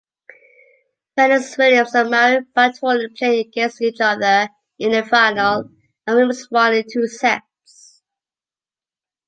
Venus Williams and Marion Bartoli played against each other in the final, and Williams won in two sets.